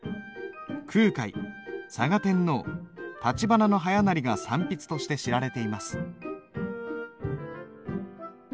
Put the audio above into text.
空海嵯峨天皇橘逸勢が三筆として知られています。